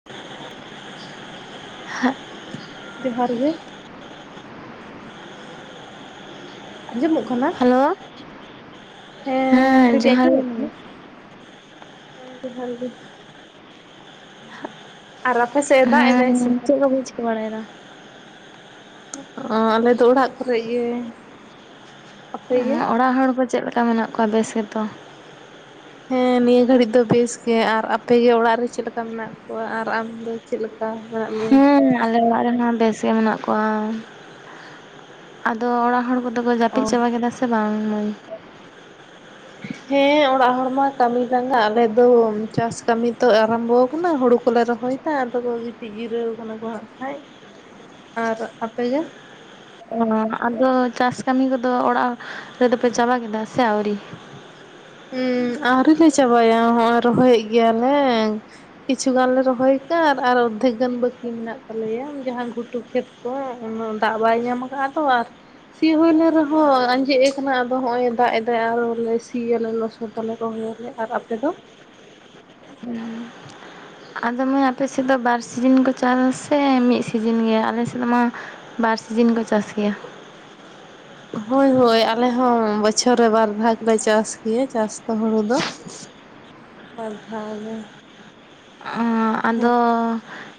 [inaudible] ᱡᱚᱸᱦᱟᱨ ᱜᱮ᱾ ᱟᱸᱡᱚᱢᱼᱚᱜ ᱠᱟᱱᱟ ᱦᱮᱞᱳ ᱦᱮᱸ ᱞᱟᱹᱭ ᱫᱤᱧ ᱡᱚᱦᱟᱨ ᱜᱮ ᱟᱸᱡᱚᱢᱼᱚᱜ ᱠᱟᱱᱟ᱾ ᱢᱟᱹᱭ ᱦᱮᱸ ᱡᱚᱸᱦᱟᱨ ᱜᱮ᱾ ᱟᱨ ᱟᱯᱮ ᱥᱮᱫ᱾ ᱫᱟᱜ ᱦᱮᱸ ᱮᱫᱟᱭ ᱥᱮ ᱵᱟᱝ ᱪᱮᱫ ᱠᱚ ᱯᱮ ᱪᱤᱠᱟᱹ ᱵᱟᱲᱟᱭ ᱫᱟ᱾ ᱚᱸᱻ ᱟᱞᱮ ᱫᱚ ᱚᱲᱟᱜ ᱠᱚᱨᱮᱜ ᱜᱮ᱾ ᱟᱯᱮ ᱜᱮ ᱚᱲᱟᱜ ᱦᱚᱲ ᱠᱚ ᱪᱮᱫ ᱞᱮᱠᱟ ᱢᱮᱱᱟᱜ ᱠᱚᱣᱟ ᱵᱮᱥ ᱜᱮᱛᱚ᱾ ᱦᱮᱸ ᱱᱤᱭᱟᱹ ᱜᱷᱟᱹᱲᱤᱡ ᱫᱚ ᱵᱮᱥ ᱜᱮ ᱟᱨ ᱟᱯᱮ ᱜᱮ ᱚᱲᱟᱜ ᱨᱮ ᱪᱮᱫ ᱞᱮᱠᱟ ᱢᱮᱱᱟᱜ ᱠᱚᱣᱟ ᱟᱨ ᱟᱢ ᱫᱚ᱾ ᱪᱮᱫ ᱞᱮᱠᱟ ᱢᱮᱱᱟᱜ ᱢᱮᱭᱟ᱾ ᱦᱮᱸ ᱟᱞᱮ ᱚᱲᱟᱜ ᱨᱮᱦᱚᱸ ᱵᱮᱥ ᱜᱮ ᱢᱮᱱᱟᱜ ᱠᱚᱣᱟ ᱟᱫᱚ ᱚᱲᱟᱜ ᱦᱚᱲ ᱠᱚᱫᱚ᱾ ᱫᱚᱠᱚ ᱚ ᱡᱟᱹᱯᱤᱫ ᱪᱟᱵᱟ ᱠᱮᱫᱟ ᱥᱮ ᱵᱟᱝ ᱢᱟᱹᱭ᱾ ᱦᱮᱸ ᱚᱲᱟᱜ ᱦᱚᱲ ᱢᱟ ᱠᱟᱹᱢᱤ ᱞᱟᱸᱜᱟ ᱟᱞᱮ ᱫᱚ ᱪᱟᱥ ᱠᱟᱹᱢᱤ ᱛᱚ ᱟᱨᱟᱢᱵᱚ ᱠᱟᱱᱟ ᱦᱳᱲᱳ ᱠᱚᱞᱮ ᱨᱚᱦᱚᱭ᱾ ᱦᱮ ᱟᱫᱚ ᱠᱚ ᱜᱤᱛᱤᱡ ᱡᱤᱨᱟᱹᱣ ᱟᱠᱟᱱᱟ ᱠᱚ ᱦᱟᱸᱜ ᱠᱷᱟᱡ ᱟᱨ ᱟᱯᱮ ᱜᱮ᱾ ᱚᱸᱻ ᱟᱫᱚ ᱪᱟᱥ ᱠᱟᱹᱢᱤ ᱠᱚᱫᱚ ᱚᱲᱟᱜ ᱨᱮᱫᱚ ᱯᱮ ᱪᱟᱵᱟ ᱠᱮᱫᱟ ᱥᱮ ᱟᱹᱣᱨᱤ᱾ ᱦᱩᱸ ᱟᱹᱣᱨᱤ ᱞᱮ ᱪᱟᱵᱟᱭᱟ ᱦᱚᱸᱜᱼᱚᱭ ᱨᱚᱦᱚᱭᱮᱫ ᱜᱮᱭᱟ ᱞᱮ᱾ ᱠᱤᱪᱷᱩ ᱜᱟᱱ ᱞᱮ ᱨᱚᱦᱚᱭ ᱟᱠᱟᱜᱼᱟ ᱟᱨ ᱚᱨᱫᱷᱮᱠ ᱜᱟᱱ ᱵᱟᱹᱠᱤ ᱢᱮᱱᱟᱜ ᱛᱟᱞᱮᱭᱟ ᱡᱟᱸᱦᱟ ᱜᱷᱩᱴᱩ ᱠᱷᱮᱛ᱾ [unintelligible] ‌ ᱩᱱᱟᱹᱜ ᱫᱟᱜ ᱵᱟᱭ ᱧᱟᱢ ᱟᱠᱟᱫᱼᱟ ᱛᱚ ᱟᱨ᱾ ᱥᱤ ᱦᱩᱭ ᱞᱮᱱ ᱨᱮᱦᱚᱸ ᱟᱸᱡᱮᱫ ᱟᱠᱟᱱᱟ ᱟᱫᱚ ᱦᱚᱸᱜᱼᱚᱭ ᱫᱟᱜ ᱮᱫᱟᱭ ᱟᱨᱦᱚ ᱞᱮ ᱥᱤᱭᱟ᱾ ᱞᱚᱥᱚᱫ ᱫᱟᱞᱮ ᱨᱚᱦᱚᱭ ᱟᱞᱮ ᱟᱨ ᱟᱯᱮ ᱫᱚ᱾ [inaudible] ᱟᱫᱚ ᱢᱟᱹᱭ ᱟᱯᱮ ᱥᱮᱫ ᱫᱚ ᱵᱟᱨ ᱥᱤᱡᱤᱱ ᱠᱚ ᱪᱟᱥᱼᱟ ᱥᱮ ᱢᱤᱫ ᱥᱤᱡᱤᱱ ᱜᱮ ᱟᱞᱮ ᱥᱮᱫ ᱢᱟ᱾ ᱵᱟᱨ ᱥᱤᱡᱤᱱ ᱠᱚ ᱪᱟᱥ ᱜᱮᱭᱟ᱾ ᱦᱳᱭ ᱦᱳᱭ ᱟᱞᱮ ᱦᱚᱸ ᱵᱚᱪᱷᱚᱨ ᱨᱮ ᱵᱟᱨ ᱵᱷᱟᱜ ᱞᱮ ᱪᱟᱥ ᱜᱮᱭᱟ ᱪᱟᱥ ᱫᱚ ᱦᱳᱲᱳ ᱫᱚᱼᱼ ᱵᱟᱨ ᱫᱷᱟᱣ ᱜᱮᱼᱼ ᱟᱫᱚ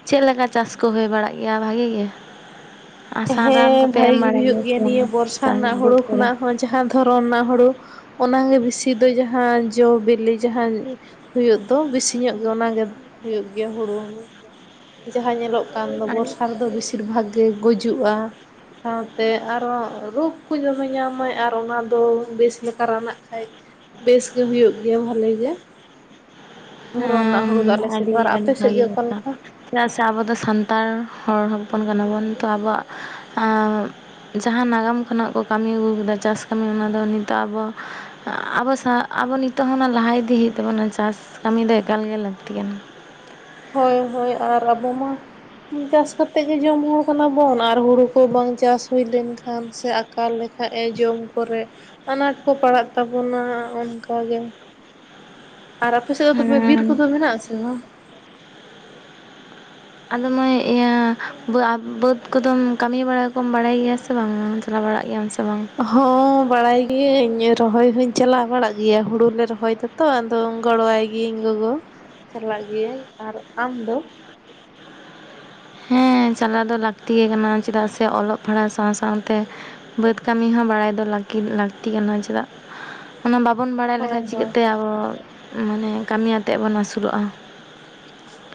ᱪᱮᱫ ᱞᱮᱠᱟ ᱪᱟᱥ ᱠᱚ ᱦᱳᱭ ᱵᱟᱲᱟᱜ ᱜᱮᱭᱟ ᱵᱷᱟᱜᱮ ᱜᱮᱼᱼ ᱦᱮᱸ ᱵᱷᱟᱜᱮ ᱜᱮ ᱦᱩᱭᱩᱜ ᱜᱮᱭᱟ ᱱᱤᱭᱟᱹ ᱵᱚᱨᱥᱟ ᱪᱟᱥ ᱨᱮᱱᱟᱜ ᱦᱳᱲᱳ ᱵᱟᱹᱫᱽ ᱠᱚᱨᱮ? ᱠᱷᱚᱱᱟᱜ ᱦᱚᱸ ᱡᱟᱦᱟ ᱫᱷᱚᱨᱚᱱ ᱨᱮᱱᱟᱜ ᱦᱳᱲᱳ ᱚᱱᱟ ᱜᱮ ᱵᱮᱥᱤ ᱫᱚ ᱡᱟᱸᱦᱟ ᱡᱚ ᱵᱮᱞᱮ ᱡᱟᱸᱦᱟᱼᱼ ᱦᱳᱭᱳᱜ ᱫᱚ ᱵᱮᱥᱤ ᱧᱚᱜ ᱜᱮ ᱚᱱᱟ ᱜᱮ ᱦᱳᱭᱳᱜ ᱜᱮᱭᱟ ᱦᱳᱲᱳ ᱡᱟᱸᱦᱟ ᱧᱮᱞ ᱚᱜ ᱠᱟᱱ ᱫᱚ ᱵᱚᱨᱥᱟ ᱨᱮᱫᱚ ᱵᱮᱥᱤᱨ ᱵᱷᱟᱜ ᱜᱮ ᱜᱩᱡᱩᱜᱼᱟ ᱥᱟᱶ ᱛᱮ ᱟᱨᱚ ᱨᱳᱜᱽ ᱠᱚ ᱫᱚᱢᱮ ᱧᱟᱢ ᱟᱭ ᱟᱨ ᱚᱱᱟ ᱫᱚ ᱵᱮᱥ ᱞᱮᱠᱟ ᱨᱟᱱ ᱟᱜ ᱠᱷᱟᱡ ᱵᱮᱥᱜᱮ ᱦᱩᱭᱩᱜ ᱜᱮᱭᱟ ᱵᱷᱟᱹᱞᱤ ᱜᱮ ᱫᱷᱚᱨᱚᱱ ᱨᱮᱱᱟᱜ ᱦᱮᱸ ᱦᱩᱲᱩᱼᱼ ᱟᱞᱮ‌ ᱥᱮᱫ ᱟᱹᱰᱤ ᱫᱚ ᱟᱨ ᱟᱹᱰᱤ ᱟᱯᱮ ᱥᱮᱫ ᱵᱷᱟᱹᱜᱤ ᱜᱮ ᱚᱠᱟ ᱠᱟᱛᱷᱟ᱾ ᱞᱮᱠᱟ ᱪᱮᱫᱟᱜ ᱥᱮ ᱟᱵᱚ ᱫᱚ ᱥᱟᱱᱛᱟᱲ ᱦᱚᱲ ᱦᱚᱯᱚᱱ ᱠᱟᱱᱟ ᱵᱚᱱ ᱛᱚ ᱟᱵᱚᱣᱟᱜ ᱟᱸᱻ ᱡᱟᱦᱟᱸ ᱱᱟᱜᱟᱢ ᱠᱷᱚᱱᱟᱜ ᱠᱚ ᱠᱟᱹᱢᱤ ᱟᱹᱜᱩ ᱠᱟᱫᱟ ᱪᱟᱥ ᱠᱟᱹᱢᱤ ᱚᱱᱟ ᱫᱚ ᱱᱤᱛᱚᱜ ᱟᱵᱚ ᱟᱵᱚ ᱥᱟᱶ ᱟᱵᱚ ᱱᱤᱛᱚᱜ ᱦᱚᱸ ᱚᱱᱟ ᱞᱟᱦᱟ ᱤᱫᱤ ᱦᱩᱭᱩᱜ ᱛᱟᱵᱚᱱᱟ ᱪᱟᱥ ᱠᱟᱹᱢᱤ ᱫᱚ ᱮᱠᱟᱞ ᱜᱮ ᱞᱟᱹᱠᱛᱤ ᱠᱟᱱᱟ ᱦᱳᱭ ᱦᱳᱭ ᱟᱨ ᱟᱵᱚ ᱢᱟᱼᱼ ᱪᱟᱥ ᱠᱟᱛᱮᱫ ᱜᱮ ᱡᱚᱢ ᱦᱚᱲ ᱠᱟᱱᱟ ᱵᱚᱱ ᱟᱨ ᱦᱩᱲᱩ ᱠᱚ ᱵᱟᱝ ᱪᱟᱥ ᱦᱩᱭ ᱞᱮᱱ ᱠᱷᱟᱱ ᱥᱮ ᱟᱠᱟᱞ ᱞᱮᱠᱷᱟᱱ [unintelligible] ᱡᱚᱢ ᱠᱚᱨᱮ ᱟᱱᱟᱴ ᱠᱚ ᱯᱟᱲᱟᱜ ᱛᱟᱵᱚᱱᱟ ᱚᱱᱠᱟ ᱜᱮᱼᱼ ᱟᱨ ᱟᱯᱮ ᱥᱮᱫ ᱫᱚ ᱛᱚᱵᱮ ᱵᱤᱨ ᱦᱮᱸ ᱠᱚᱫᱚ ᱢᱮᱱᱟᱜ ᱟ ᱥᱮ ᱵᱟᱝ ᱟᱫᱚ ᱢᱟᱹᱭ ᱤᱭᱟᱹ ᱵᱟᱹᱫᱽ ᱠᱚᱫᱚᱢ ᱠᱟᱹᱢᱤ ᱵᱟᱲᱟ ᱠᱚᱢ ᱵᱟᱲᱟᱭ ᱜᱮᱭᱟ ᱥᱮ ᱵᱟᱝ ᱟ ᱪᱟᱞᱟᱣ ᱵᱟᱲᱟᱜ ᱜᱮᱭᱟᱢ ᱥᱮ ᱵᱟᱝᱼᱼ ᱦᱚᱸ ᱵᱟᱲᱟᱭ ᱜᱤᱭᱟᱹᱧ ᱨᱚᱦᱚᱭ ᱦᱚᱧ ᱪᱟᱞᱟᱣ ᱵᱟᱲᱟᱜ ᱜᱮᱭᱟ ᱦᱩᱲᱩ ᱞᱮ ᱨᱚᱦᱚᱭ ᱫᱚ ᱛᱚ ᱟᱫᱚ ᱜᱚᱲᱚᱣᱟᱭ ᱜᱤᱭᱟᱹᱧ ᱜᱚᱜᱚ ᱪᱟᱞᱟᱜ ᱜᱤᱭᱟᱹ ᱟᱹᱧ ᱟᱨ ᱟᱢ ᱫᱚ ᱛᱚ ᱦᱮᱸ ᱪᱟᱞᱟᱣ ᱫᱚ ᱞᱟᱹᱠᱛᱤ ᱠᱟᱱᱟ ᱪᱮᱫᱟᱜ ᱥᱮ ᱚᱞᱚᱜ ᱯᱟᱲᱦᱟᱣ ᱥᱟᱶ ᱥᱟᱶᱛᱮᱼᱼ ᱵᱟᱹᱫᱽ ᱠᱟᱹᱢᱤ ᱦᱚᱸ ᱵᱟᱲᱟᱭ ᱫᱚ [unintelligible] ᱞᱟᱹᱠᱛᱤ ᱠᱟᱱᱟ ᱪᱮᱫᱟᱜ ᱚᱱᱟ ᱵᱟᱵᱚᱱ ᱵᱟᱲᱟᱭ ᱦᱳᱭ ᱞᱮᱠᱷᱟᱡ ᱪᱤᱠᱟᱹᱜ ᱦᱳᱭ ᱛᱮ ᱟᱵᱚᱼᱼ ᱢᱟᱱᱮ ᱠᱟᱹᱢᱤᱭ ᱟᱛᱮᱫ ᱵᱚᱱ ᱟᱹᱥᱩᱞᱚᱜᱼᱟ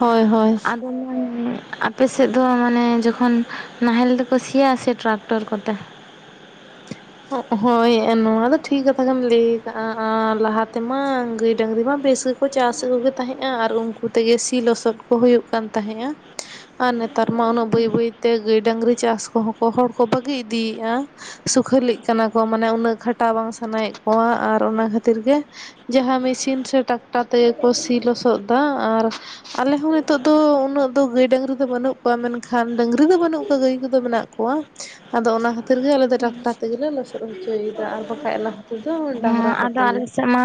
ᱦᱳᱭ ᱦᱳᱭ ᱥᱮᱫ ᱫᱚ ᱢᱟᱱᱮ ᱡᱚᱠᱷᱚᱱ ᱱᱟᱦᱮᱞ ᱛᱮᱠᱚ ᱥᱤᱭᱟ ᱥᱮ ᱴᱨᱟᱠᱴᱚᱨ ᱠᱚᱛᱮ ᱦᱳᱭ ᱱᱚᱣᱟ ᱫᱚ ᱴᱷᱤᱠ ᱠᱟᱛᱷᱟ ᱜᱮᱢ ᱞᱟᱹᱭ ᱟᱠᱟᱫ-ᱟ ᱟᱨ ᱞᱟᱦᱟ ᱛᱮᱢᱟ ᱜᱟᱹᱭ ᱰᱟᱹᱝᱨᱤ ᱢᱟ ᱵᱮᱥᱼᱼ ᱠᱚ ᱪᱟᱥ ᱮᱫ ᱠᱚ ᱛᱟᱦᱮᱸᱜᱼᱟ ᱟᱨ ᱩᱱᱠᱩ ᱛᱮᱜᱮ ᱥᱤ ᱞᱚᱥᱚᱫ ᱠᱚ ᱦᱩᱭᱩᱜ ᱠᱟᱱ ᱛᱟᱦᱮᱸᱜᱼᱟ ᱟᱨ ᱱᱮᱛᱟᱨ ᱢᱟ ᱩᱱᱟᱹᱜ ᱵᱟᱹᱭ ᱵᱟᱹᱭ ᱛᱮ ᱜᱟᱹᱭ ᱰᱟᱹᱝᱨᱤ ᱪᱟᱥ ᱠᱚᱦᱚᱸ ᱠᱚ ᱦᱚᱲ ᱠᱚ ᱵᱟᱹᱜᱤ ᱤᱫᱤᱭ ᱮᱫᱼᱟ ᱥᱩᱠᱷᱟᱹᱞᱤᱜ ᱠᱟᱱᱟ ᱠᱚ ᱢᱟᱱᱮ ᱩᱱᱟᱹᱜ ᱠᱷᱟᱴᱟᱣ ᱵᱟᱝ ᱥᱟᱱᱟᱭᱮᱫ ᱠᱚᱣᱟ ᱟᱨ ᱚᱱᱟ ᱠᱷᱟᱹᱛᱤᱨ ᱜᱮᱼᱼ ᱡᱟᱦᱟᱸ ᱢᱮᱥᱤᱱ ᱥᱮ ᱴᱟᱠᱴᱟᱨ ᱛᱮᱜᱮ ᱠᱚ ᱥᱤ ᱞᱚᱥᱚᱫ ᱮᱫᱟ ᱟᱨᱼᱼ ᱟᱞᱮ ᱦᱚᱸ ᱱᱤᱛᱚᱜ ᱫᱚ ᱩᱱᱟᱹᱜ ᱫᱚ ᱜᱟᱹᱭ ᱰᱟᱹᱝᱨᱤ ᱫᱚ ᱵᱟᱹᱱᱩᱜ ᱠᱚᱣᱟ ᱢᱮᱱ ᱠᱷᱟᱱ ᱰᱟᱹᱝᱨᱤ ᱫᱚ ᱵᱟᱹᱱᱩᱜ ᱠᱚᱣᱟ ᱜᱟᱹᱭ ᱠᱚ ᱫᱚ ᱢᱮᱱᱟᱜ ᱠᱚᱣᱟ [unintelligible] ᱟᱫᱚ ᱚᱱᱟ ᱠᱷᱟᱹᱛᱤᱨ ᱜᱮ ᱟᱞᱮ ᱫᱚ ᱴᱟᱠᱴᱟᱨ ᱛᱮᱜᱮᱞᱮ ᱞᱚᱥᱚᱫ ᱦᱚᱪᱚᱭ ᱮᱫᱟ ᱟᱨ ᱵᱟᱠᱟᱱᱡ ᱟ ᱞᱟᱦᱟ ᱛᱮᱫ ᱫᱚᱼᱼ ᱦᱮᱸ ᱟᱫᱚ ᱟᱞᱮ ᱥᱮᱫ ᱢᱟᱼᱼ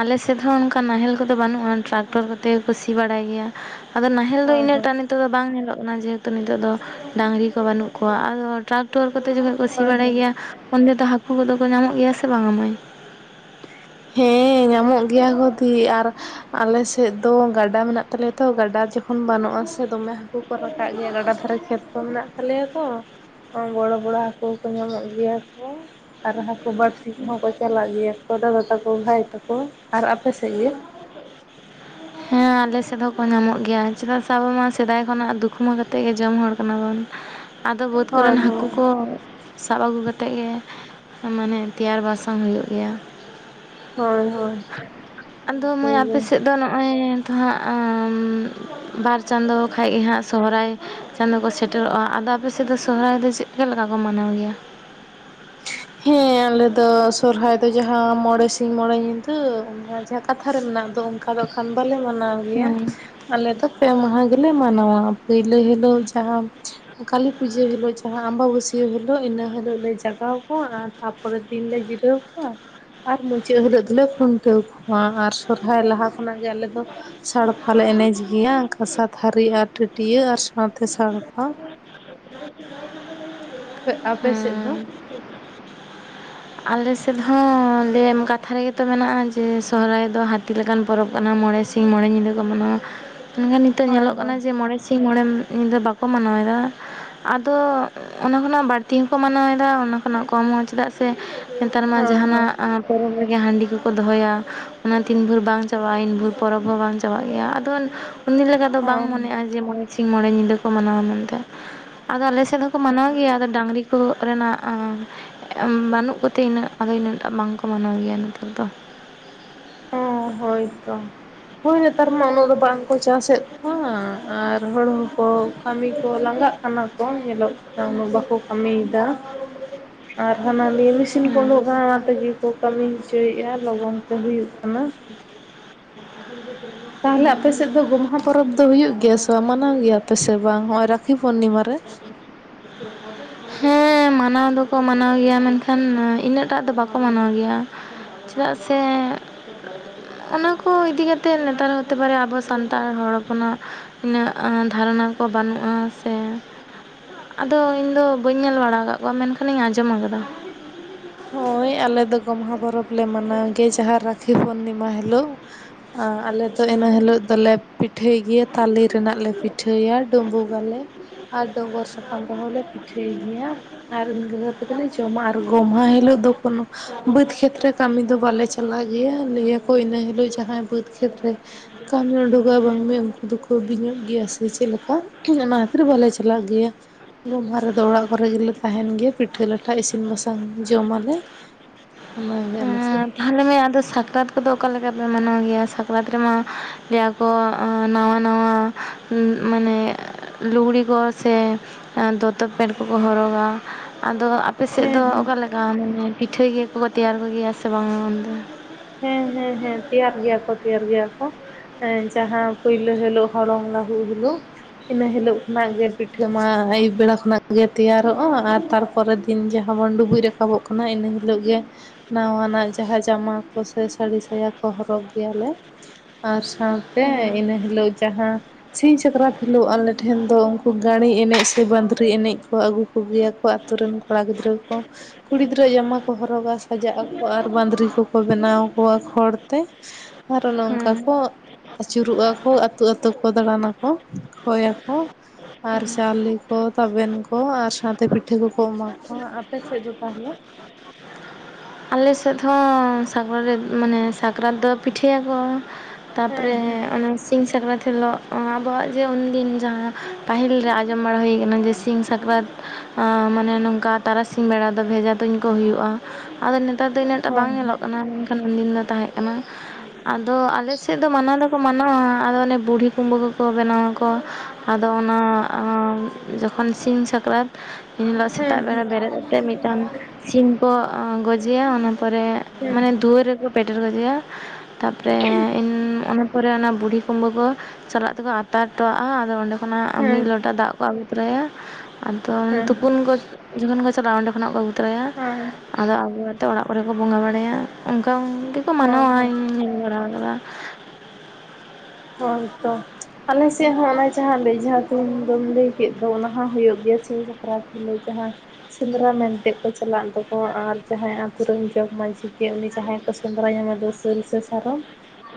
ᱟᱞᱮ ᱥᱮᱫ ᱦᱚᱸ ᱚᱱᱠᱟ ᱱᱟᱦᱮᱞ ᱠᱚ ᱫᱚ ᱵᱟᱹᱱᱩᱜᱼᱟ ᱴᱨᱟᱠᱴᱚᱨ ᱠᱚᱛᱮ ᱜᱮ ᱥᱤ ᱵᱟᱲᱟᱭ ᱜᱮᱭᱟ ᱟᱫᱚ ᱱᱟᱦᱮᱞ ᱫᱚ ᱦᱳᱭ ᱦᱳᱭ ᱤᱱᱟᱹᱜᱴᱟᱜ ᱱᱤᱛᱳᱜ ᱫᱚ ᱵᱟᱝ ᱧᱮᱞᱚᱜ ᱠᱟᱱᱟ ᱡᱮᱦᱮᱛᱩ ᱱᱤᱛᱳᱜ ᱫᱚ ᱰᱟᱹᱝᱨᱤ ᱠᱚ ᱵᱟᱹᱱᱩᱜᱼᱼ ᱠᱚᱣᱟ ᱟᱫᱚ ᱴᱨᱟᱠᱴᱟᱨ ᱠᱚᱛᱮ ᱡᱚᱠᱷᱚᱱ ᱠᱚ ᱥᱤ ᱦᱳᱭ ᱵᱟᱲᱟᱭ ᱦᱳᱭ ᱜᱮᱭᱟ ᱩᱱᱚᱱ ᱫᱚ ᱦᱟᱹᱠᱩ ᱠᱚᱫᱚ ᱠᱚ ᱧᱟᱢᱚᱜ ᱜᱮᱭᱟ ᱥᱮ ᱵᱟᱝ ᱟ ᱢᱟᱹᱭᱼᱼ ᱦᱮᱸ ᱧᱟᱢᱚᱜ ᱜᱮᱭᱟ ᱠᱚ ᱫᱤ ᱟᱨᱼᱼ ᱟᱞᱮ ᱥᱮᱫ ᱫᱚ ᱜᱟᱰᱟ ᱢᱮᱱᱟᱜ ᱛᱟᱞᱮᱭᱟ ᱛᱚ ᱜᱟᱰᱟ ᱡᱚᱠᱷᱚᱱ ᱵᱟᱹᱱᱩᱜ ᱟ ᱥᱮ ᱫᱚᱢᱮ ᱦᱟᱹᱠᱩᱼᱼ ᱠᱚ ᱨᱟᱠᱟᱵ ᱜᱮᱭᱟ ᱜᱟᱰᱟ ᱫᱷᱟᱨᱮ ᱠᱷᱮᱛ ᱠᱚ ᱢᱮᱱᱟᱜ ᱛᱟᱞᱮᱭᱟ ᱛᱚᱼᱼ ᱵᱚᱲᱚ ᱵᱚᱲᱚ ᱦᱟᱹᱠᱩ ᱠᱚ ᱧᱟᱢᱚᱜ ᱜᱮᱭᱟ ᱠᱚᱼᱼ ᱟᱨ ᱦᱟᱹᱠᱩ ᱵᱟᱹᱲᱥᱤ ᱠᱚᱦᱚᱸ ᱠᱚ ᱪᱟᱞᱟᱜ ᱜᱮᱭᱟ ᱠᱚ ᱫᱟᱫᱟ ᱛᱟᱠᱚᱼᱼ ᱵᱷᱟᱭ ᱛᱟᱠᱚ ᱟᱨ ᱟᱯᱮ ᱥᱮᱫ ᱜᱮᱼᱼ ᱦᱮᱸ ᱟᱞᱮ ᱥᱮᱫ ᱦᱚᱸᱠᱚ ᱧᱟᱢᱚᱜ ᱜᱮᱭᱟ ᱪᱮᱫᱟᱜ ᱥᱮ ᱟᱵᱚ ᱢᱟ ᱥᱮᱫᱟᱭ ᱠᱷᱚᱱᱟᱜ ᱫᱩᱠᱷ ᱦᱚᱸ ᱠᱟᱛᱮᱜ ᱜᱮ ᱡᱚᱢ ᱦᱚᱲ ᱠᱟᱱᱟ ᱵᱚᱱ ᱟᱫᱚ ᱵᱟᱹᱫᱽ ᱦᱳᱭ ᱠᱚᱨᱮᱱ ᱦᱳᱭ ᱦᱟᱹᱠᱩ ᱠᱚ ᱥᱟᱵ ᱟᱹᱜᱩ ᱠᱟᱛᱮᱜ ᱜᱮ ᱢᱟᱱᱮ ᱛᱮᱭᱟᱨ ᱵᱟᱥᱟᱝ ᱦᱩᱭᱩᱜ ᱜᱮᱭᱟ। ᱦᱳᱭ ᱦᱳᱭ ᱟᱫᱚ ᱩᱱᱠᱩ ᱢᱟᱹᱭ ᱜᱮ ᱟᱯᱮᱥᱮᱫ ᱫᱚ ᱱᱚᱜᱼᱚᱭ ᱛᱚ ᱦᱟᱸᱜ ᱟᱸᱻ ᱵᱟᱨ ᱪᱟᱸᱫᱳ ᱠᱷᱟᱡ ᱜᱮ ᱦᱟᱸᱜ ᱥᱚᱦᱚᱨᱟᱭ ᱪᱟᱸᱫᱳ ᱠᱚ ᱥᱮᱴᱮᱨᱚᱜᱼᱟ ᱟᱫᱚ ᱟᱯᱮᱥᱮᱫ ᱫᱚ ᱥᱚᱦᱚᱨᱟᱭ ᱫᱚ ᱪᱮᱫ ᱞᱮᱠᱟ ᱠᱚ ᱢᱟᱱᱟᱣ ᱜᱮᱭᱟ? ᱦᱮᱸ ᱟᱞᱮ ᱫᱚ ᱥᱚᱨᱦᱟᱭ ᱫᱚ ᱡᱟᱦᱟᱸ ᱢᱚᱬᱮ ᱥᱤᱧ ᱢᱚᱬᱮ ᱧᱤᱫᱟᱹ ᱱᱚᱣᱟ ᱡᱟᱦᱟᱸ ᱠᱟᱛᱷᱟ ᱨᱮ ᱢᱮᱱᱟᱜ ᱫᱚ ᱚᱱᱠᱟ ᱫᱚ ᱠᱷᱟᱱ ᱵᱟᱞᱮ ᱢᱟᱱᱟᱣ ᱜᱮᱭᱟ ᱦᱮᱸ ᱟᱞᱮ ᱫᱚ ᱯᱮ ᱢᱟᱦᱟ ᱜᱮᱞᱮ ᱢᱟᱱᱟᱣᱟ ᱯᱳᱭᱞᱳ ᱦᱤᱞᱳᱜ ᱡᱟᱦᱟᱸ ᱠᱟᱞᱤ ᱯᱩᱡᱟᱹ ᱦᱤᱞᱳᱜ ᱡᱟᱦᱟᱸ ᱟᱢᱵᱟᱵᱟᱹᱥᱭᱟᱹ ᱦᱤᱞᱳᱜ ᱤᱱᱟᱹ ᱦᱤᱞᱳᱜ ᱞᱮ ᱡᱟᱜᱟᱣ ᱠᱚᱣᱟ ᱟᱨ ᱛᱟᱯᱚᱨᱮ ᱫᱤᱱ ᱞᱮ ᱡᱤᱨᱟᱹᱣ ᱠᱚᱣᱟ ᱟᱨ ᱢᱩᱪᱟᱹᱫ ᱦᱤᱞᱳᱜ ᱫᱚᱞᱮ ᱠᱷᱩᱱᱴᱟᱹᱣ ᱠᱚᱣᱟ ᱟᱨ ᱥᱚᱨᱦᱟᱭ ᱞᱟᱦᱟ ᱠᱷᱚᱱᱟᱜ ᱜᱮ ᱟᱞᱮ ᱫᱚ ᱥᱟᱲᱯᱟ ᱞᱮ ᱮᱱᱮᱡ ᱜᱮᱭᱟ ᱠᱟᱸᱥᱟ ᱛᱷᱟᱹᱨᱤ ᱟᱨ ᱴᱟᱹᱴᱭᱟᱹ ᱟᱨ ᱥᱟᱶᱛᱮ ᱥᱟᱲᱯᱟ ᱟᱯᱮ ᱟᱯᱮᱥᱮᱫ ᱫᱚ? ᱦᱮᱸ ᱟᱞᱮ ᱥᱮᱫ ᱦᱚᱸ ᱞᱟᱹᱭᱟᱢ ᱠᱟᱛᱷᱟ ᱨᱮᱜᱮ ᱛᱚ ᱢᱮᱱᱟᱜᱼᱟ ᱡᱮ ᱥᱚᱨᱦᱟᱭ ᱫᱚ ᱦᱟᱹᱛᱤ ᱞᱮᱠᱟᱱ ᱯᱚᱨᱚᱵᱽ ᱠᱟᱱᱟ ᱢᱚᱬᱮ ᱥᱤ ᱥᱤᱧ ᱢᱚᱬᱮ ᱧᱤᱫᱟᱹ ᱠᱚ ᱢᱟᱱᱟᱣᱟ ᱢᱮᱱᱠᱷᱟᱱ ᱱᱤᱛᱚᱜ ᱦᱳᱭ ᱧᱮᱞᱚᱜ ᱠᱟᱱᱟ ᱦᱳᱭ ᱡᱮ ᱢᱚᱬᱮ ᱥᱤᱧ ᱥᱤᱧ ᱢᱚᱬᱮ ᱧᱤᱫᱟᱹ ᱵᱟᱠᱚ ᱢᱟᱱᱟᱣᱮᱫᱟ ᱟᱫᱚ ᱚᱱᱟ ᱠᱷᱚᱱᱟᱜ ᱵᱟᱹᱲᱛᱤ ᱦᱚᱸᱠᱚ ᱢᱟᱱᱟᱣᱮᱫᱟ ᱚᱱᱟ ᱠᱷᱚᱱᱟᱜ ᱠᱚᱢ ᱦᱚᱸ ᱪᱮᱫᱟᱜ ᱥᱮ ᱱᱮᱛᱟᱨ ᱢᱟ ᱦᱳᱭ ᱦᱳᱭ ᱡᱟᱦᱟᱱᱟᱜ ᱟᱸᱯ ᱯᱚᱨᱚᱵᱽ ᱨᱮᱜᱮ ᱦᱟᱺᱰᱤ ᱠᱚᱠᱚ ᱫᱚᱦᱚᱭᱟ ᱚᱱᱟ ᱛᱤᱱ ᱵᱷᱩᱨ ᱵᱟᱝ ᱪᱟᱵᱟᱜᱼᱟ ᱤᱱ ᱵᱷᱩᱨ ᱯᱚᱨᱚᱵᱽ ᱦᱚᱸ ᱵᱟᱝ ᱪᱟᱵᱟᱜ ᱜᱮᱭᱟ ᱟᱫᱚ ᱩᱱᱤ ᱞᱮᱠᱟ ᱫᱚ ᱵᱟᱝ ᱦᱮᱸ ᱢᱚᱱᱮᱜᱼᱟ ᱡᱮ ᱢᱚᱬᱮ ᱥᱤᱧ ᱢᱚᱬᱮ ᱧᱤᱫᱟᱹ ᱠᱚ ᱢᱟᱱᱟᱣᱟ ᱢᱮᱱᱛᱮ ᱟᱫᱚ ᱟᱞᱮ ᱥᱮᱫ ᱥᱮᱫ ᱦᱚᱸᱠᱚ ᱢᱟᱱᱟᱣ ᱜᱮᱭᱟ ᱟᱫᱚ ᱰᱟᱝᱨᱤ ᱠᱚ ᱨᱮᱱᱟᱜ ᱟᱸ ᱮᱸᱢ ᱵᱟᱹᱱᱩᱜ ᱠᱚ ᱛᱮ ᱤᱱᱟᱹᱜ ᱫᱚ ᱤᱱᱟᱹᱜ ᱴᱟᱜ ᱵᱟᱝᱠᱚ ᱢᱟᱱᱟᱣ ᱜᱮᱭᱟ ᱱᱮᱛᱟᱨ ᱫᱚ ᱚ ᱦᱳᱭᱛᱚ ᱦᱳᱭ ᱱᱮᱛᱟᱨ ᱢᱟ ᱩᱱᱟᱹᱜ ᱫᱚ ᱵᱟᱝ ᱠᱚ ᱪᱟᱥᱮᱫ ᱠᱚᱣᱟ ᱟᱨ ᱦᱚᱲ ᱦᱚᱸᱠᱚ ᱠᱟᱹᱢᱤ ᱠᱚ ᱞᱟᱸᱜᱟᱜ ᱠᱟᱱᱟ ᱠᱚ ᱧᱮᱞᱚᱜ ᱠᱟᱱᱟ ᱩᱱᱟᱹᱜ ᱵᱟᱠᱚ ᱠᱟᱹᱢᱤᱭᱮᱫᱟ ᱟᱨ ᱦᱟᱱᱟ ᱱᱤᱭᱟᱹ ᱢᱮᱥᱤᱱ ᱠᱚ ᱩᱰᱩᱝ ᱦᱩᱸ ᱠᱟᱱᱟ ᱚᱱᱟ ᱛᱮᱜᱮ ᱠᱚ ᱠᱟᱹᱢᱤ ᱦᱚᱪᱚᱭᱮᱫᱼᱟ ᱞᱚᱜᱚᱱ ᱛᱮ ᱦᱩᱭᱩᱜ ᱠᱟᱱᱟ᱾ ᱛᱟᱞᱦᱮ ᱟᱯᱮ ᱥᱮᱫ ᱫᱚ ᱜᱚᱢᱦᱟ ᱯᱚᱨᱚᱵᱽ ᱫᱚ ᱦᱩᱭᱩᱜ ᱜᱮᱭᱟ ᱥᱮ ᱛᱚ ᱢᱟᱱᱟᱣ ᱜᱮᱭᱟᱯᱮ ᱥᱮ ᱵᱟᱝ ᱦᱚᱸᱜᱼᱚᱭ ᱨᱟᱠᱷᱤ ᱯᱩᱨᱱᱤᱢᱟ ᱨᱮ [unintelligible] ᱦᱮᱸ ᱢᱟᱱᱟᱣ ᱫᱚᱠᱚ ᱢᱟᱱᱟᱣ ᱜᱮᱭᱟ ᱢᱮᱱᱠᱷᱟᱱ ᱤᱱᱟᱹᱜ ᱴᱟᱜ ᱫᱚ ᱵᱟᱠᱚ ᱢᱟᱱᱟᱣ ᱜᱮᱭᱟ ᱪᱮᱫᱟᱜ ᱥᱮ ᱚᱱᱟ ᱠᱚ ᱤᱫᱤ ᱠᱟᱛᱮᱫ ᱱᱮᱛᱟᱨ ᱦᱚᱛᱮ ᱯᱟᱨᱮ ᱟᱵᱚ ᱥᱟᱱᱛᱟᱲ ᱦᱚᱲ ᱦᱚᱯᱚᱱᱟᱜ ᱤᱱᱟᱹᱜ ᱮᱸ ᱫᱷᱟᱨᱚᱱᱟ ᱠᱚ ᱵᱟᱹᱱᱩᱜᱼᱟ ᱥᱮ ᱟᱫᱚ ᱤᱧ ᱫᱚ ᱵᱟᱹᱧ ᱧᱮᱞ ᱵᱟᱲᱟ ᱠᱟᱫ ᱠᱚᱣᱟ ᱢᱮᱱᱠᱷᱟᱱᱤᱧ ᱟᱸᱡᱚᱢ ᱠᱟᱫᱟ ᱦᱳᱭ ᱟᱞᱮ ᱫᱚ ᱜᱳᱢᱦᱟ ᱯᱚᱨᱚᱵᱽ ᱞᱮ ᱢᱟᱱᱟᱣ ᱜᱮ ᱡᱟᱦᱟᱸ ᱨᱟᱠᱷᱤ ᱯᱩᱨᱱᱤᱢᱟ ᱦᱤᱞᱳᱜ। ᱟ ᱟᱞᱮ ᱫᱚ ᱤᱱᱟᱹ ᱦᱩᱸ ᱦᱤᱞᱟᱹᱜ ᱫᱚᱞᱮ ᱯᱤᱴᱷᱟᱹᱭ ᱜᱮᱭᱟ ᱛᱟᱞᱮ ᱨᱮᱱᱟᱜ ᱞᱮ ᱯᱤᱴᱷᱟᱹᱭᱟ ᱰᱩᱸᱵᱩᱜᱟᱞᱮ। ᱟᱨ ᱰᱚᱜᱚᱨ ᱥᱟᱠᱟᱢ ᱨᱮᱦᱚᱸᱞᱮ ᱯᱤᱴᱷᱟᱹᱭ ᱜᱮᱭᱟ ᱟᱨ ᱜᱟᱹᱦᱟᱹ ᱛᱮᱜᱮᱞᱮ ᱡᱚᱢᱟ ᱟᱨ ᱜᱳᱢᱦᱟ ᱦᱤᱞᱟᱹᱜ ᱫᱚ ᱠᱳᱱᱳ ᱵᱟᱹᱫᱽ ᱠᱷᱮᱛᱨᱮ ᱠᱟᱹᱢᱤ ᱫᱚ ᱵᱟᱞᱮ ᱪᱟᱞᱟᱜ ᱜᱮᱭᱟ ᱞᱟᱹᱭᱟᱠᱚ ᱤᱱᱟᱹ ᱦᱤᱞᱳᱜ ᱡᱟᱦᱟᱸᱭ ᱵᱟᱹᱫᱽ ᱠᱷᱮᱛᱨᱮ ᱠᱟᱹᱢᱤ ᱩᱸᱰᱩᱠᱚᱜᱼᱟ ᱵᱟᱝ ᱢᱮ ᱩᱝᱠᱩ ᱫᱚᱠᱚ ᱵᱤᱧᱩᱜ ᱜᱮᱭᱟ ᱥᱮ ᱪᱮᱫ ᱞᱮᱠᱟ ᱚᱱᱟ ᱠᱷᱟᱹᱛᱤᱨ ᱵᱟᱞᱮ ᱪᱟᱞ ᱪᱟᱞᱟᱜ ᱜᱮᱭᱟ। ᱜᱚᱢᱦᱟ ᱨᱮᱫᱚ ᱚᱲᱟᱜ ᱠᱚᱨᱮ ᱜᱮᱞᱮ ᱛᱟᱦᱮᱱ ᱜᱮᱭᱟ ᱯᱤᱴᱷᱟᱹ ᱞᱟᱴᱷᱟ ᱤᱥᱤᱱ ᱵᱟᱥᱟᱝ ᱡᱚᱢᱟᱞᱮ ᱚᱱᱟ ᱜᱮ ᱟᱞᱮ ᱥᱮᱫ। ᱛᱟᱞᱦᱮ ᱢᱟᱹᱭ ᱟᱫᱚ ᱥᱟᱠᱨᱟᱛ ᱠᱚᱫᱚ ᱚᱠᱟ ᱞᱮᱠᱟᱯᱮ ᱢᱟᱱᱟᱣ ᱜᱮᱭᱟ ᱥᱟᱠᱨᱟᱛ ᱨᱮᱢᱟ ᱞᱟᱹᱭᱟ ᱠᱚ ᱚᱸ ᱱᱟᱶᱟ ᱱᱟᱶᱟ ᱩᱸ ᱢᱟᱱᱮ ᱞᱩᱜᱽᱲᱤ ᱠᱚ ᱥᱮ ᱫᱚᱛᱚ ᱯᱮᱱᱴ ᱠᱚᱠᱚ ᱦᱚᱨᱚᱜᱟ ᱟᱫᱚ ᱟᱯᱮᱥᱮᱫ ᱫᱚ ᱦᱮᱸ ᱦᱮᱸ ᱚᱠᱟᱞᱮᱠᱟ ᱢᱟᱱᱮ ᱯᱤᱴᱷᱟᱹᱭ ᱜᱮᱭᱟᱠᱚ ᱛᱮᱭᱟᱨ ᱠᱚᱜᱮᱭᱟ ᱥᱮ ᱵᱟᱝᱟ ᱩᱱᱫᱚ? ᱦᱮᱸ ᱦᱮᱸ ᱦᱮᱸ ᱛᱮᱭᱟᱨ ᱜᱮᱭᱟ ᱠᱚ ᱛᱮᱭᱟᱨ ᱜᱮᱭᱟ ᱠᱚ᱾ ᱮᱸ ᱡᱟᱦᱟᱸ ᱯᱟᱹᱭᱞᱟᱹ ᱦᱤᱞᱚᱜ ᱦᱚᱞᱚᱝ ᱞᱟᱹᱦᱩᱜ ᱦᱤᱞᱚᱜ᱾ ᱤᱱᱟᱹ ᱦᱤᱞᱚᱜ ᱠᱷᱚᱱᱟᱜ ᱜᱮ ᱯᱤᱴᱷᱟᱹ ᱢᱟ ᱟᱹᱭᱩᱵ ᱵᱮᱲᱟ ᱠᱷᱚᱱᱟᱜ ᱜᱮ ᱛᱮᱭᱟᱨᱚᱜᱼᱟ ᱟᱨ ᱛᱟᱨ ᱯᱚᱨᱮ ᱫᱤᱱ ᱡᱟᱦᱟᱸ ᱵᱚᱱ ᱰᱩᱵᱩᱡ ᱨᱟᱠᱟᱵᱚᱜ ᱠᱟᱱᱟ ᱤᱱᱟᱹ ᱦᱤᱞᱚᱜ ᱜᱮ ᱱᱟᱶᱟᱱᱟᱜ ᱡᱟᱦᱟᱸ ᱡᱟᱢᱟ ᱯ ᱥᱮ ᱥᱟᱹᱲᱤ ᱥᱟᱭᱟ ᱠᱚ ᱦᱚᱨᱚᱜᱽ ᱜᱮᱭᱟᱞᱮ ᱟᱨ ᱥᱟᱶᱛᱮ ᱦᱮᱸ ᱤᱱᱟᱹ ᱦᱤᱞᱚᱜ ᱡᱟᱦᱟᱸ᱾ ᱥᱤᱧ ᱥᱟᱠᱨᱟᱛ ᱦᱤᱞᱚᱜ ᱟᱞᱮ ᱴᱷᱮᱱ ᱫᱚ ᱩᱝᱠᱩ ᱜᱟᱺᱬᱤ ᱮᱱᱮᱡ ᱥᱮ ᱵᱟᱸᱫᱽᱨᱤ ᱮᱱᱮᱡ ᱠᱚ ᱟᱹᱜᱩ ᱠᱚᱜᱮᱭᱟ ᱠᱚ ᱟᱛᱩ ᱨᱮᱱ ᱠᱚᱲᱟ ᱜᱤᱫᱽᱨᱟᱹ ᱠᱚ, ᱠᱩᱲᱤ ᱜᱤᱫᱽᱨᱟᱹᱣᱟᱜ ᱡᱟᱢᱟ ᱠᱚ ᱦᱚᱨᱚᱜᱟ ᱥᱟᱡᱟᱜ ᱟᱠᱚ ᱟᱨ ᱵᱟᱸᱫᱽᱨᱤ ᱠᱚ ᱠᱚ ᱵᱮᱱᱟᱣ ᱠᱚᱣᱟ ᱠᱷᱚᱲ ᱛᱮ ᱟᱨ ᱚᱱᱟ ᱱᱚᱝᱠᱟ ᱦᱮᱸ ᱠᱚ ᱟᱹᱪᱩᱨᱚᱜᱼᱟᱠᱚ ᱟᱹᱛᱩ ᱟᱹᱛᱩ ᱠᱚ ᱫᱟᱬᱟᱱᱟᱠᱚ ᱠᱷᱚᱭ ᱭᱟᱠᱚ᱾ ᱟᱨ ᱪᱟᱣᱞᱮ ᱠᱚ ᱛᱟᱵᱮᱱ ᱠᱚ ᱟᱨ ᱥᱟᱶᱛᱮ ᱯᱤᱴᱷᱟᱹ ᱠᱚᱠᱚ ᱮᱢᱟ ᱠᱚᱣᱟ, ᱟᱯᱮ ᱥᱮᱫ ᱫᱚ ᱛᱟᱦᱚᱞᱮ? ᱟᱞᱮ ᱥᱮᱫ ᱦᱚᱸ ᱥᱟᱠᱨᱟᱛ ᱨᱮ ᱢᱟᱱᱮ ᱥᱟᱠᱨᱟᱛ ᱫᱚ ᱯᱤᱴᱷᱟᱹᱭᱟᱠᱚ᱾ ᱛᱟᱯᱚᱨᱮ ᱦᱮᱸ ᱟᱹᱱᱟᱹᱥ ᱥᱤᱧ ᱥᱟᱠᱨᱟᱛ ᱦᱤᱞᱚᱜ ᱟᱸ ᱟᱵᱚᱣᱟᱜ ᱡᱮ ᱩᱱᱫᱤᱱ ᱡᱟᱦᱟᱸ ᱯᱟᱹᱦᱤᱞ ᱨᱮ ᱟᱸᱡᱚᱢ ᱵᱟᱲᱟ ᱦᱩᱭ ᱟᱠᱟᱱᱟ ᱡᱮ ᱥᱤᱧ ᱥᱟᱠᱨᱟᱛ ᱟᱸ ᱢᱟᱱᱮ ᱱᱚᱝᱠᱟ ᱛᱟᱨᱟᱥᱤᱧ ᱵᱮᱲᱟ ᱫᱚ ᱵᱷᱮᱡᱟ ᱛᱩᱧ ᱠᱚ ᱦᱩᱭᱩᱜᱼᱟ᱾ ᱟᱫᱚ ᱱᱮᱛᱟᱨ ᱫᱚ ᱤᱱᱟᱹᱜ ᱴᱟᱜ ᱦᱮᱸ ᱵᱟᱝ ᱧᱮᱞᱚᱜ ᱠᱟᱱᱟ ᱢᱮᱱᱠᱷᱟᱱ ᱩᱱᱫᱤᱱ ᱫᱚ ᱛᱟᱦᱮᱸ ᱠᱟᱱᱟ, ᱟᱫᱚ ᱟᱞᱮᱥ ᱥᱮᱫ ᱫᱚ ᱢᱟᱱᱟᱣ ᱫᱚᱠᱚ ᱢᱟᱱᱟᱣᱟ ᱟᱫᱚ ᱚᱱᱮ ᱵᱩᱰᱷᱤ ᱠᱩᱢᱵᱟᱹ ᱠᱚ ᱠᱚ ᱵᱮᱱᱟᱣᱟᱚ ᱟᱫᱚ ᱚᱱᱟ ᱡᱚᱠᱷᱚᱱ ᱥᱤᱧ ᱥᱟᱠᱨᱟᱛ ᱮᱱ ᱦᱤᱞᱚᱜ ᱦᱮᱸ ᱥᱮᱛᱟᱜ ᱦᱮᱸ ᱵᱮᱲᱟ ᱵᱮᱨᱮᱫ ᱟᱛᱮᱫ ᱢᱤᱫᱴᱟᱝ ᱥᱤᱢ ᱠᱚ ᱜᱚᱡᱮᱭᱟ ᱚᱱᱟ ᱯᱚᱨᱮ ᱢᱟᱱᱮ ᱫᱩᱣᱟᱹᱨ ᱨᱮᱠᱚ ᱯᱮᱴᱮᱨ ᱜᱚᱡᱮᱭᱟ᱾ ᱛᱟᱯᱚᱨᱮ ᱚᱱᱟ ᱯᱚᱨᱮ ᱚᱱᱟ ᱵᱩᱰᱷᱤ ᱠᱩᱢᱵᱟᱹ ᱠᱚ ᱥᱟᱞᱟᱜ ᱛᱮᱠᱚ ᱟᱛᱟᱨ ᱦᱚᱴᱚᱣᱟᱜᱼᱟ ᱟᱫᱚ ᱚᱸᱰᱮ ᱠᱷᱚ ᱠᱷᱚᱱᱟᱜ ᱟᱫᱟ ᱦᱮᱸ ᱢᱤᱫ ᱦᱮᱸ ᱞᱚᱴᱟ ᱫᱟᱜ ᱠᱚ ᱟᱹᱜᱩ ᱛᱚᱨᱟᱭᱟ ᱟᱫᱚ ᱦᱮᱸ ᱛᱩᱯᱩᱱ ᱠᱚ ᱡᱚᱠᱷᱚᱱ ᱠᱚ ᱪᱟᱞᱟᱜᱼᱟ ᱚᱸᱰᱮ ᱠᱷᱚᱱᱟᱜ ᱠᱚ ᱟᱹᱜᱩ ᱛᱚᱨᱟᱭᱟ᱾ ᱦᱚᱭ᱾ ᱟᱫᱚ ᱟᱜᱩ ᱟᱛᱮ ᱚᱲᱟᱜ ᱯᱚᱨᱮ ᱠᱚ ᱵᱚᱸᱜᱟ ᱵᱟᱲᱟᱭᱟ ᱚᱱᱠᱟ ᱜᱮᱠᱚ ᱦᱮᱸ ᱢᱟᱱᱟᱣᱟ ᱦᱮᱸ ᱤᱧ ᱧᱮᱞ ᱵᱟᱲᱟ ᱟᱠᱟᱫᱟ᱾ ᱦᱚᱭ ᱛᱚ᱾ ᱟᱞᱮᱥᱮᱫ ᱦᱚᱸ ᱚᱱᱟ ᱡᱟᱦᱟᱸ ᱵᱮᱡᱷᱟ ᱛᱩᱧ ᱫᱚᱢ ᱞᱟᱹᱭ ᱠᱮᱜ ᱫᱚ ᱚᱱᱟ ᱦᱚᱸ ᱦᱩᱭᱩᱜ ᱜᱮᱭᱟ ᱯᱨᱟᱛ ᱠᱷᱮᱞᱚ ᱡᱟᱦᱟᱸ ᱥᱮᱸᱫᱽᱨᱟ ᱢᱮᱱᱛᱮ ᱠᱚ ᱪᱟᱞᱟᱜ ᱫᱟᱠᱚ ᱟᱨ ᱡᱟᱦᱟᱸᱭ ᱟᱛᱩ ᱨᱮᱱ ᱡᱚᱜᱽ ᱢᱟᱺᱡᱷᱤ ᱜᱮ ᱩᱱᱤ ᱡᱟᱦᱟᱸᱭ ᱠᱚ ᱥᱮᱸᱫᱽᱨᱟᱟᱭ ᱧᱟᱢᱮ ᱫᱚᱥᱟᱹᱞ ᱥᱮ ᱥᱟᱨᱚᱢ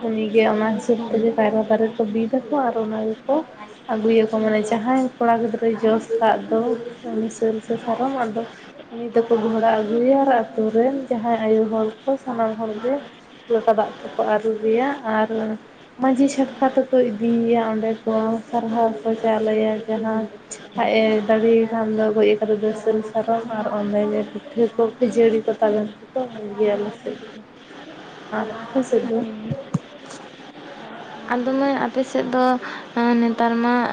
ᱩᱱᱤᱜᱮ ᱚᱱᱟ ᱦᱤᱥᱟᱹᱵᱽ ᱛᱮᱜᱮ ᱫᱟᱨ ᱠᱚ ᱵᱤᱫ ᱟᱠᱚ ᱟᱨ ᱚᱱᱟ ᱜᱮᱠᱚ ᱟᱹᱜᱩᱭᱟᱠᱚ ᱢᱟᱱᱮ ᱡᱟᱦᱟᱸᱭ ᱠᱚᱲᱟ ᱜᱤᱫᱽᱨᱟᱹᱭ ᱡᱚᱥ ᱠᱟᱜ ᱫᱚ ᱥᱟᱹᱞ ᱥᱮ ᱥᱟᱨᱚᱢ ᱟᱫᱚ ᱩᱱᱤ ᱫᱚᱠᱚ ᱜᱷᱚᱲᱟ ᱟᱹᱜᱩᱭᱟ ᱟᱨ ᱟᱹᱛᱩ ᱨᱮᱱ ᱡᱟᱦᱟᱸᱭ ᱟᱭᱚ ᱦᱚᱲ ᱠᱚ ᱥᱟᱱᱟᱢ ᱦᱚᱲᱜᱮ ᱞᱚᱴᱟ ᱫᱟᱜ ᱛᱮᱠᱚ ᱟᱹᱨᱩᱵᱮᱭᱟ ᱟᱨ ᱢᱹᱡᱷᱤ ᱪᱷᱟᱴᱠᱟ ᱛᱮᱠᱚ ᱤᱫᱤᱭᱮᱭᱟ ᱚᱸᱰᱮ ᱠᱚ ᱥᱟᱨᱦᱟᱣ ᱠᱚ ᱪᱟᱣᱞᱮᱭᱟ ᱡᱟᱦᱟᱸ ᱟᱡ ᱮ ᱫᱟᱲᱮ ᱠᱷᱟᱱ ᱫᱚ ᱜᱚᱡ ᱠᱟᱛᱮ ᱫᱟ ᱥᱟᱞ ᱥᱟᱨᱚᱢ ᱟᱨ ᱚᱸᱰᱮ ᱜᱮ ᱯᱤᱴᱷᱟᱹ ᱠᱚ ᱠᱷᱹᱡᱟᱹᱲᱤ ᱠᱚ ᱛᱟᱵᱮᱱ ᱠᱚᱠᱚ ᱤᱫᱤ ᱜᱮᱭᱟ ᱟᱞᱮ ᱥᱮᱫ ᱫᱚ, ᱟᱨ ᱟᱯᱮ ᱥᱮᱫ ᱫᱚ? ᱟᱫᱚ ᱢᱟ ᱟᱯᱮᱥᱮᱫ ᱫᱚ ᱱᱮᱛᱟᱨ ᱢᱟ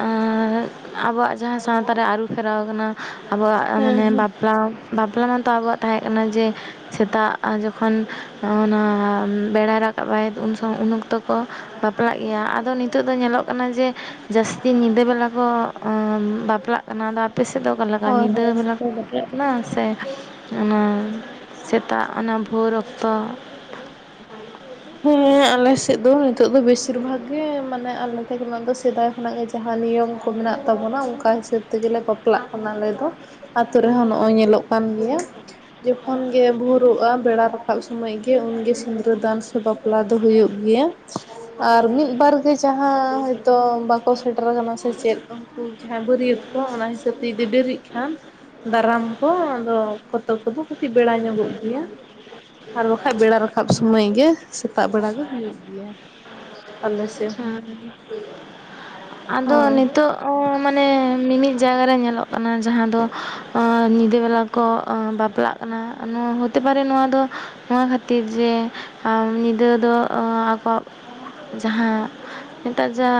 ᱟᱵᱚᱣᱟᱜ ᱡᱟᱦᱟᱸ ᱥᱟᱶᱛᱟ ᱨᱮ ᱟᱹᱨᱩ ᱯᱷᱮᱨᱟᱣ ᱠᱟᱱᱟ, ᱟᱵᱚᱣᱟᱜ ᱦᱮᱸ ᱢᱟᱱᱮ ᱦᱮᱸ ᱵᱟᱯᱞᱟ ᱵᱟᱯᱞᱟ ᱢᱟᱛᱚ ᱟᱵᱚᱣᱟᱜ ᱛᱟᱦᱮᱸ ᱠᱟᱱᱟ ᱡᱮ ᱥᱮᱛᱟᱜ ᱡᱚᱠᱷᱚ ᱛᱚ ᱚᱱᱟ ᱵᱮᱲᱟᱭ ᱨᱟᱠᱟᱵᱟᱭ ᱩᱱ ᱩᱱ ᱚᱠᱛᱚ ᱠᱚ [unintelligible] ᱜᱮᱭᱟ ᱟᱫᱚ ᱱᱤᱛᱚᱜ ᱫᱚ ᱧᱮᱞᱚᱜ ᱠᱟᱱᱟ ᱡᱮ ᱡᱟᱹᱥᱛᱤ ᱧᱤᱫᱟᱹ ᱵᱮᱞᱟ ᱠᱚ ᱚᱸ ᱵᱟᱯᱞᱟᱜ ᱚᱱᱟ ᱫᱚ ᱟᱯᱮ‌ ᱥᱮᱫ ᱫᱚ ᱚᱠᱟ ᱞᱮᱠᱟ ᱦᱳᱭ ᱧᱤᱫᱟᱹ ᱵᱮᱞᱟ ᱵᱟᱯᱞᱟᱜ ᱠᱟᱱᱟ ᱥᱮ ᱚᱱᱟ ᱥᱮᱛᱟᱜ ᱚᱱᱟ ᱵᱷᱳᱨ ᱚᱠᱛᱚ ᱦᱮᱸ, ᱟᱞᱮ ᱥᱮᱫ ᱫᱚ ᱱᱤᱛᱚᱜ ᱫᱚ ᱵᱮᱥᱤᱨ ᱵᱷᱟᱜᱽ ᱜᱮ ᱢᱟᱱᱮ ᱟᱞᱮ ᱟᱞᱮ ᱠᱷᱚᱱᱟᱜ ᱫᱚ ᱥᱮᱫᱟᱭ ᱠᱷᱚᱱᱟᱜ ᱜᱮ ᱡᱟᱦᱟᱸ ᱱᱤᱭᱚᱢ ᱠᱚ ᱢᱮᱱᱟᱜ ᱛᱟᱵᱚᱱᱟ ᱚᱱᱠᱟ ᱦᱤᱥᱟᱹᱵᱽ ᱛᱮᱜᱮ ᱵᱟᱯᱞᱟᱜ ᱠᱟᱱᱟ ᱟᱞᱮ ᱫᱚ᱾ ᱟᱹᱛᱩ ᱨᱮᱦᱚᱸ ᱱᱚᱜᱼᱚᱭ ᱧᱮᱞᱚᱜ ᱠᱟᱱ ᱜᱮᱭᱟ᱾ ᱡᱚᱠᱷᱚᱱ ᱜᱮ ᱵᱷᱩᱨᱚᱜᱼᱟ ᱵᱮᱲᱟ ᱨᱟᱠᱟᱵ ᱥᱚᱢᱚᱭ ᱜᱮ ᱩᱱᱜᱮ ᱥᱤᱸ [unintelligible] ᱫᱟᱱ ᱥᱮ ᱵᱟᱯᱞᱟ ᱫᱚ ᱦᱩᱭᱩᱜ ᱜᱮᱭᱟ᱾ ᱟᱨ ᱢᱤᱫ ᱵᱟᱨ ᱜᱮ ᱡᱟᱦᱟᱸ ᱦᱚᱭᱛᱳ ᱵᱟᱠᱚ ᱥᱮᱴᱮᱨᱠ ᱥᱮ ᱪᱮᱫ ᱩᱱᱠᱩ ᱡᱟᱦᱟᱸᱭ ᱵᱟᱹᱨᱭᱟᱹᱛ ᱠᱚ ᱚᱱᱟ ᱦᱤᱥᱟᱹᱵᱽ ᱛᱮ ᱡᱩᱫᱤ ᱵᱮᱨᱤᱜ ᱠᱷᱟᱱ ᱫᱟᱨᱟᱢ ᱠᱚ ᱟᱫᱚ ᱠᱚᱛᱚᱠ ᱠᱚᱫᱚ ᱠᱟᱹᱴᱤᱡ ᱵᱮᱲᱟ ᱧᱚᱜᱚᱜ ᱜᱮᱭᱟ᱾ ᱟᱨ ᱵᱟᱠᱷᱟᱡ ᱵᱮᱲᱟ ᱨᱟᱠᱟᱵ ᱢᱚᱭ ᱜᱮ ᱥᱮᱛᱟᱜ ᱵᱮᱲᱟ ᱫᱚ ᱦᱩᱭᱩᱜ ᱜᱮᱭᱟ ᱟᱞᱮ ᱥᱮᱫ ᱦᱚᱸ᱾ ᱦᱮᱸ ᱟᱫᱚ ᱦᱳᱭ ᱱᱤᱛᱳᱜ ᱚᱸᱻ ᱢᱟᱱᱮ ᱢᱤᱢᱤᱫ ᱡᱟᱭᱜᱟ ᱨᱮ ᱧᱮᱞᱚᱜ ᱠᱟᱱᱟ ᱡᱟᱦᱟᱸ ᱫᱚ ᱚᱸ ᱧᱤᱫᱟᱹ ᱵᱮᱞᱟ ᱠᱚ ᱟᱸ ᱵᱟᱯᱞᱟᱜ [unintelligible] ᱱᱚᱣᱟ ᱛᱮᱵᱟᱨᱮ ᱱᱚᱣᱟ ᱫᱚ ᱱᱚᱣᱟ ᱠᱷᱟᱹᱛᱤᱨ ᱡᱮ ᱟ ᱧᱤᱫᱟᱹ ᱫᱚ‌ ᱚᱸᱻ ᱟᱠᱚᱣᱟᱜ ᱡᱟᱦᱟᱸ ᱱᱤᱛᱟᱜ ᱡᱟ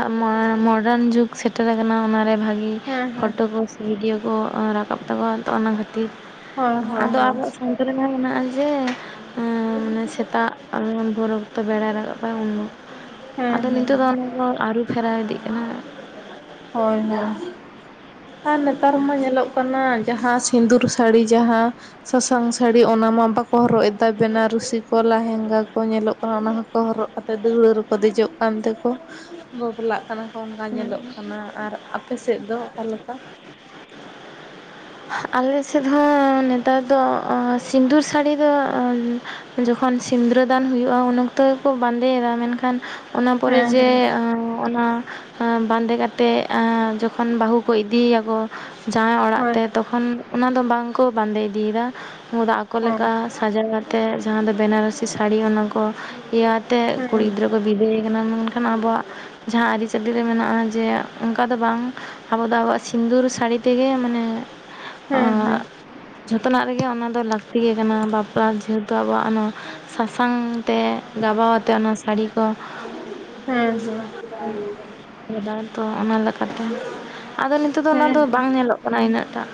ᱢᱚᱰᱟᱨᱱ ᱡᱩᱜᱽ ᱥᱮᱴᱮᱨ ᱠᱟᱱᱟ ᱚᱱᱟᱨᱮ ᱵᱷᱟᱜᱮ ᱦᱮᱸ ᱦᱮᱸ ᱯᱷᱳᱴᱳ ᱠᱚ ᱥᱮ ᱵᱷᱤᱰᱤᱭᱳ ᱠᱚ ᱨᱟᱠᱟᱵ ᱛᱟᱠᱚᱣᱟ ᱛᱚ ᱚᱱᱟ ᱠᱷᱟᱹᱛᱤᱨ ᱦᱳᱭ ᱦᱳᱭ ᱟᱫᱚ ᱦᱳᱭ ᱟᱵᱚᱣᱟᱜ ᱥᱟᱶᱛᱟ ᱨᱮᱢᱟ ᱢᱮᱱᱟᱜᱼᱟ ᱡᱮ ᱮᱸᱻ ᱢᱟᱱᱮ ᱥᱮᱛᱟᱜ ᱵᱷᱳᱨ ᱚᱠᱛᱚ ᱵᱮᱲᱟᱭ ᱨᱟᱠᱟᱵ ᱩᱱ ᱦᱮᱸ ᱟᱫᱚ ᱦᱮᱸ ᱱᱤᱛᱚᱜ ᱫᱚ ᱚᱱᱟ ᱫᱚ ᱟᱹᱨᱩ ᱯᱷᱮᱨᱟᱣ ᱤᱫᱤᱜ ᱠᱟᱱᱟ᱾ ᱦᱳᱭ ᱦᱚᱭ᱾ ᱟᱨ ᱱᱮᱛᱟᱨ ᱢᱟ ᱧᱮᱞᱚᱜ ᱠᱟᱱᱟ, ᱡᱟᱦᱟᱸ ᱥᱤᱸᱫᱩᱨ ᱥᱟᱹᱲᱤ ᱡᱟᱦᱟᱸ ᱥᱟᱥᱟᱝ ᱥᱟᱹᱲᱤ ᱚᱱᱟ ᱢᱟ ᱵᱟᱠᱚ ᱦᱚᱨᱚᱜ ᱮᱫᱟ ᱵᱮᱱᱟ ᱨᱩᱥᱤ ᱠᱚ ᱞᱟᱦᱮᱝᱜᱟ ᱠᱚ ᱧᱮᱞᱚᱜ ᱠᱟᱱᱟ ᱚᱱᱟ ᱦᱚᱸ [inaudible] ᱠᱚ ᱦᱚᱨᱚᱜ ᱠᱟᱛᱮ ᱫᱟᱹᱣᱲᱟᱹ ᱨᱮᱠᱚ ᱫᱮᱡᱚᱜ ᱠᱟᱱ ᱛᱮᱠᱚ ᱵᱟᱯᱞᱟᱜ ᱠᱟᱱᱟ᱾ [inaudible] ᱧᱮᱞᱚᱜ ᱠᱟᱱᱟ ᱟᱨ, ᱟᱯᱮ ᱥᱮᱫ ᱫᱚ ᱚᱠᱟ ᱞᱮᱠᱟ? ᱟᱞᱮ ᱥᱮᱫ ᱦᱚᱸ ᱱᱮᱛᱟᱨ ᱫᱚ, ᱚᱸ ᱥᱤᱸᱫᱩᱨ ᱥᱟᱹᱲᱤ ᱫᱚ ᱚᱸ ᱡᱚᱠᱷᱚᱱ ᱥᱤᱸᱫᱽᱨᱟᱹ ᱫᱟᱱ ᱦᱩᱭᱩᱜᱼᱟ ᱩᱱ ᱚᱠᱛᱚ ᱜᱮᱠᱚ ᱵᱟᱸᱫᱮᱭᱮᱫᱟ ᱢᱮᱱᱠᱷᱟᱱ ᱚᱱᱟ ᱯᱚᱨᱮ ᱦᱮᱸ ᱡᱮ ᱦᱮᱸ ᱮᱸ ᱚᱱᱟ ᱵᱟᱸᱫᱮ ᱠᱟᱛᱮᱫ, ᱮᱸ ᱡᱚᱠᱷᱚᱱ ᱵᱟᱹᱦᱩ ᱠᱚ ᱤᱫᱤᱭᱮᱭᱟᱠᱚ ᱡᱟᱣᱟᱭ ᱚᱲᱟᱜ ᱦᱳᱭ ᱛᱮ ᱛᱚ [inaudible] ᱠᱷᱚᱱ ᱚᱱᱟ ᱫᱚ ᱵᱟᱝᱠᱚ ᱵᱟᱸᱫᱮ ᱤᱫᱤᱭᱮᱫᱟ, ᱩᱱ [inaudible] ᱫᱚ ᱟᱠᱚ ᱦᱮᱸ ᱞᱮᱠᱟ ᱦᱟᱡᱟᱨ [inaudible] ᱟᱛᱮᱫ, ᱡᱟᱦᱟᱸ ᱫᱚ ᱵᱮᱱᱟᱨᱥᱤ ᱥᱟᱹᱲᱤ ᱚᱱᱟ ᱠᱚ ᱤᱭᱟᱹ‌ ᱟᱛᱮᱫ ᱦᱮᱸ ᱠᱩᱲᱤ ᱜᱤᱫᱽᱨᱟᱹ ᱠᱚ ᱵᱤᱫᱟᱹᱭᱮ ᱠᱟᱱᱟ, ᱢᱮᱱᱠᱷᱟᱱ ᱟᱵᱚᱣᱟᱜ ᱡᱟᱦᱟᱸ ᱟᱹᱨᱤᱪ [inaudible] ᱪᱟᱹᱰᱤᱨᱮ [inaudible] ᱢᱮᱱᱟᱜᱼᱟ ᱡᱮ ᱚᱱᱠᱟ ᱫᱚ, ᱵᱟᱝ ᱟᱵᱚ ᱫᱚ ᱟᱵᱚᱣᱟᱜ ᱥᱤᱸᱫᱩᱨ ᱥᱟᱹᱲᱤ ᱛᱮᱜᱮ ᱢᱟᱱᱮ ᱦᱮᱸ ᱟᱸᱻᱜ ᱦᱮᱸ ᱡᱷᱚᱛᱚᱱᱟᱜ ᱨᱮᱜᱮ ᱚᱱᱟ ᱫᱚ ᱞᱟᱹᱠᱛᱤ ᱜᱮ ᱠᱟᱱᱟ, ᱵᱟᱯᱞᱟ ᱡᱮᱦᱮᱛᱩ ᱟᱵᱚᱣᱟᱜ ᱱᱚᱣᱟ ᱥᱟᱥᱟᱝ ᱛᱮ ᱜᱟᱵᱟᱣ ᱟᱛᱮ ᱚᱱᱟ ᱥᱟᱹᱲᱤ ᱠᱚ ᱦᱮᱸ ᱦᱮᱸ᱾ [unintelligible] ᱚᱱᱟ ᱞᱮᱠᱟᱛᱮ, ᱟᱫᱚ ᱱᱤᱛᱚᱜ ᱫᱚ ᱚᱱᱟ ᱫᱚ ᱦᱮᱸ ᱵᱟᱝ ᱧᱮᱞᱚᱜ ᱠᱟᱱᱟ ᱤᱱᱟᱹᱜ ᱴᱟᱜ